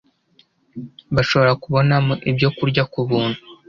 bashobora kubonamo ibyokurya ku buntu